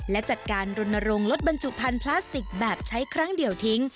และจัดการรณรงค์ลดบรรจุพันธุ์พลาสติกแบบใช้ครั้งเดียวทิ้ง